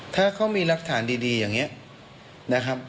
ถ้าเขามีรักฐานดีอย่างนี้นะครับ